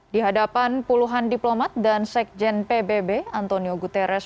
di hadapan puluhan diplomat dan sekjen pbb antonio guterres